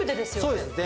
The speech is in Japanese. そうです。